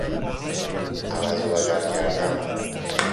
عوض و بدل کردن